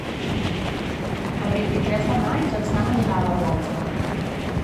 El vint-i-tres de maig en Sam anirà a la platja.